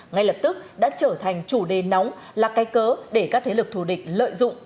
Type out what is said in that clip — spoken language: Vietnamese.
ngay lập tức đã trở thành chủ đề nóng là cây cớ để các thế lực thù địch lợi dụng